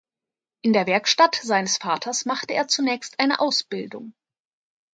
In der Werkstatt seines Vaters machte er zunächst eine Ausbildung.